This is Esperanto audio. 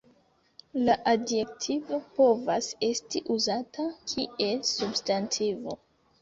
La adjektivo povas esti uzata kiel substantivo.